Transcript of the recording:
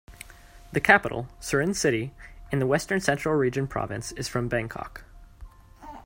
The capital, Surin city, in the western central region province is from Bangkok.